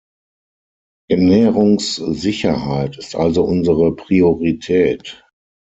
Ernährungssicherheit ist also unsere Priorität.